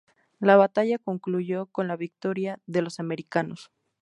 La batalla concluyó con la victoria de los americanos.